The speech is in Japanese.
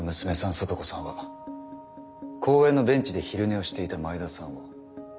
咲都子さんは公園のベンチで昼寝をしていた前田さんを目撃していた。